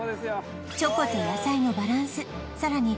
チョコと野菜のバランスさらに